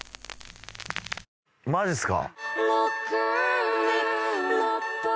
マジっすか。